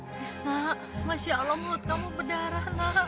krisna masya allah mulut kamu berdarah nak